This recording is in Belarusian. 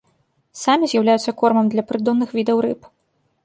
Самі з'яўляюцца кормам для прыдонных відаў рыб.